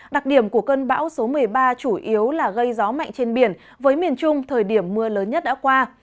đặc điểm của cơn bão số một mươi ba chủ yếu là gây gió mạnh trên biển với miền trung thời điểm mưa lớn nhất đã qua